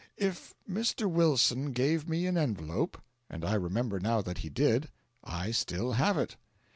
If Mr. Wilson gave me an envelope and I remember now that he did I still have it."